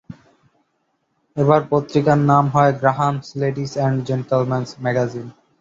এবার পত্রিকার নাম হয় Graham's ladies and gentleman's magazine.